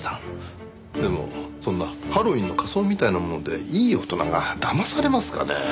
でもそんなハロウィーンの仮装みたいなものでいい大人がだまされますかねえ？